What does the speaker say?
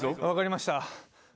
分かりました。